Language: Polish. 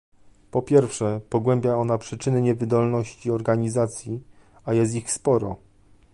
Po pierwsze, pogłębia on przyczyny niewydolności Organizacji, a jest ich sporo